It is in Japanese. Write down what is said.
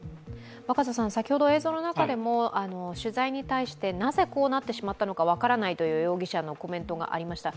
先ほど映像の中でも取材に対してなぜこうなってしまったのか分からないという容疑者のコメントがありました。